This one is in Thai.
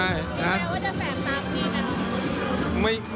มีแววว่าจะแสบตามนี่นะ